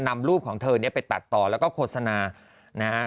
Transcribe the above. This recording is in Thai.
นำรูปของเธอเนี่ยไปตัดต่อแล้วก็โฆษณานะฮะ